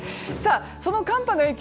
その寒波の影響